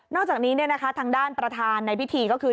นอกจากนี้เนี่ยนะคะทางด้านประธานในพิธีก็คือ